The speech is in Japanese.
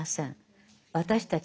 私たち